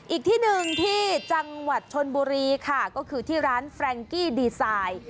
อีกที่หนึ่งที่จังหวัดชนบุรีค่ะก็คือที่ร้านแฟรงกี้ดีไซน์